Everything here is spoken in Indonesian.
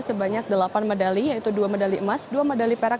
sebanyak delapan medali yaitu dua medali emas dua medali perak